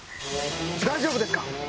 大丈夫ですか？